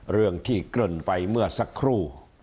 เรื่องที่เกริ่นไปเมื่อสักครู่